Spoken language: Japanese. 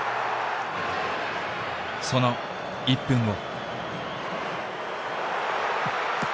その１分後。